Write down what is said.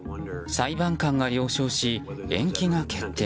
裁判官が了承し、延期が決定。